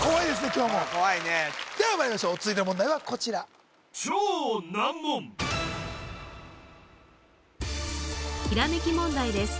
今日も怖いねではまいりましょう続いての問題はこちらひらめき問題です